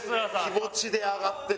気持ちで上がっていった。